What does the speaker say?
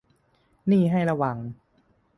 นี่ให้ระวัง